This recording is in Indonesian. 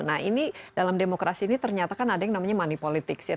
nah ini dalam demokrasi ini ternyata kan ada yang namanya money politics ya